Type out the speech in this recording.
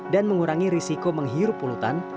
dan mengurangi risiko menghirup pelutan